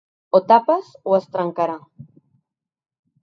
O tapes o es trencarà.